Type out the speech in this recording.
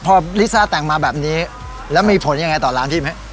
พอลิซ่าแต่งมาแบบนี้แล้วมีผลยังไงต่อร้านพี่ไหม